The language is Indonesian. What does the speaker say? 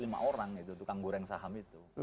lima orang itu tukang goreng saham itu